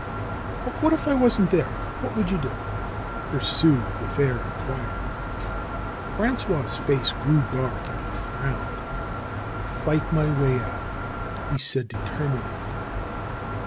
^'But what if I wasn't there, what would you do?" pursued the fair inquirer. Frangois' face grew dark and he frowned. "I'd flght my way out," he said determinedly.